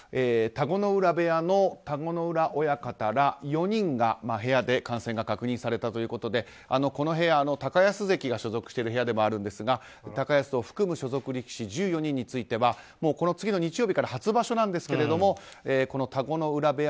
田子ノ浦部屋の田子ノ浦親方ら４人が部屋で感染が確認されたということでこの部屋、高安関が所属している部屋でもありますが高安を含む所属力士１４人についてはこの次の日曜日から初場所なんですけれども田子ノ浦